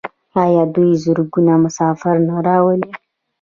آیا دوی زرګونه مسافر نه راوړي؟